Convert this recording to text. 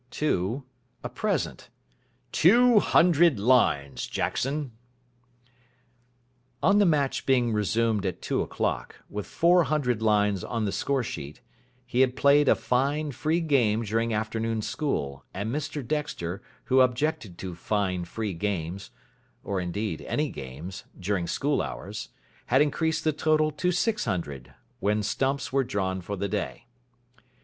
(2) A present "Two hundred lines, Jackson". On the match being resumed at two o'clock, with four hundred lines on the score sheet, he had played a fine, free game during afternoon school, and Mr Dexter, who objected to fine, free games or, indeed, any games during school hours, had increased the total to six hundred, when stumps were drawn for the day.